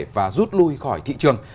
và rút lui khỏi thị trường